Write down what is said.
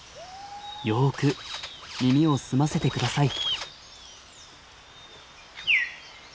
よく耳を澄ませてください。